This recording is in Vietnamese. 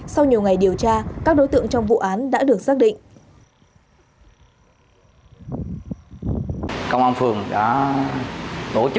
sau nhiều ngày điều tra các đối tượng trong vụ án đã được xác định